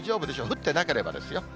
降ってなければですよ。